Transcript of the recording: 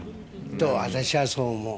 と、私はそう思う。